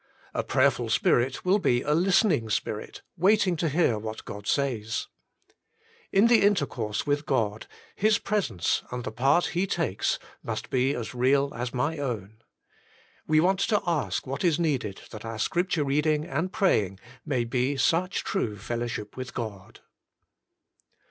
A prayerful spirit will be a listening spirit waiting to hear what God says. In the inter course with God His presence and the part He takes must be as real as my own. We want to ask what is needed that our Scripture reading and praying may be such true fellowship with God.